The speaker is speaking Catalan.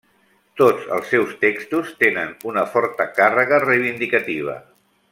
Tots els seus textos tenen una forta càrrega reivindicativa.